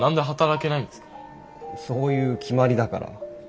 そういう決まりだから。